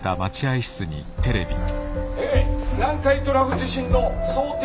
「え南海トラフ地震の想定